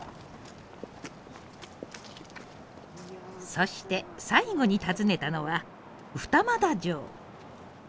そして最後に訪ねたのは二俣城。